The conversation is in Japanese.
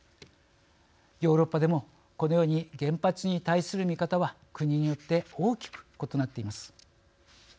ヨーロッパでもこのように原発に対する見方は国によって大きく異なっています。